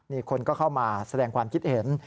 นี่คนก็เข้ามาแสดงความคิดเห็น